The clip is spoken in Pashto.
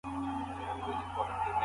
په قلم لیکنه کول د ډیجیټل ستړیا مخه نیسي.